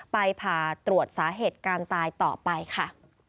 ไปผ่าตรวจสาเหตุการตายต่อไปค่ะ